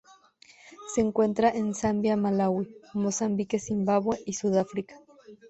Se encuentra en Zambia Malaui Mozambique Zimbabue y Sudáfrica.